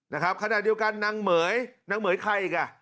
นะครับขณะเดียวกันนางเหม๋ยนางเหม๋ยใครอีกอ่ะ